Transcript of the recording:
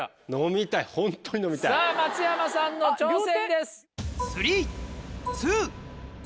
さぁ松山さんの挑戦です。